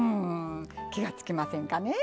気が付きませんかね。